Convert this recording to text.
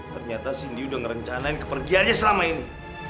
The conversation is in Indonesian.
ternyata cindy udah ngerencanain kepergiannya selama ini